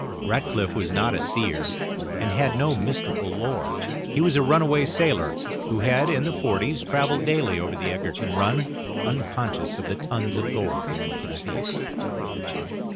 Ratcliff was not a seer, and had no mystical lore. He was a runaway sailor, who had, in the forties, travelled daily over the Egerton run, unconscious of the tons of gold beneath his feet.